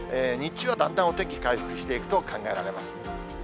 日中はだんだんお天気回復していくと考えられます。